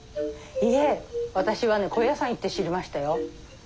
いえ私はね高野山行って知りましたよ。